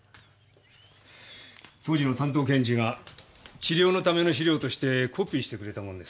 当時の担当検事が治療のための資料としてコピーしてくれたものです。